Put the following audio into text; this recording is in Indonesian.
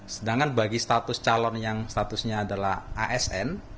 sedangkan bagi status calon yang statusnya adalah asn